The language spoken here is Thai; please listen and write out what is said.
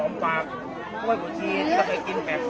รอมาเหมืออีกแล้วครับ